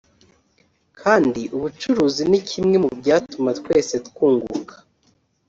kandi ubucuruzi ni kimwe mu byatuma twese twunguka